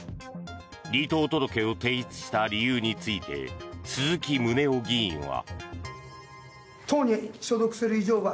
離党届を提出した理由について鈴木宗男議員は。